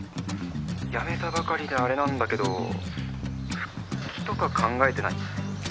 やめたばかりであれなんだけど、復帰とか考えてない？